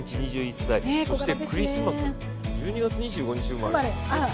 そしてクリスマス、１２月２５日生まれ